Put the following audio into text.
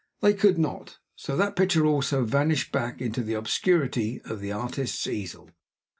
They could not. So that picture also vanished back into the obscurity of the artist's easel.